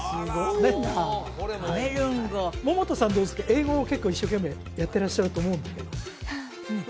英語を結構一生懸命やってらっしゃると思うんだけどハハ